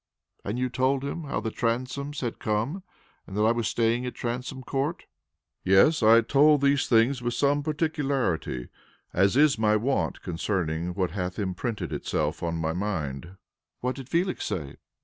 "And you told him how the Transomes had come, and that I was staying at Transome Court?" "Yes, I told these things with some particularity, as is my wont concerning what hath imprinted itself on my mind." "What did Felix say?"